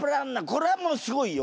これはもうすごいよ！